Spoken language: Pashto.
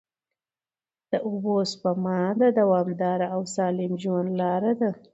د اوبو سپما د دوامدار او سالم ژوند لاره ده.